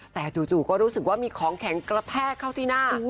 แต่จู่ก็รู้สึกว่ามีของแข็งกระแทกเข้าที่หน้า